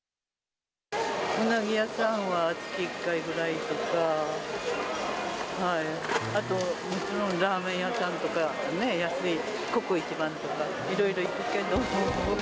うなぎ屋さんは月１回ぐらいとか、あと、ラーメン屋さんとかね、安いココ一番とか、いろいろ行くけども。